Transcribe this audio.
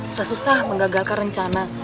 usah usah menggagalkan rencana